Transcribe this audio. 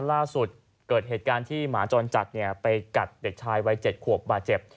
เกิดเหตุการณ์ที่หมาจรจัดไปกัดเด็กชายวัย๗ขวบบาดเจ็บ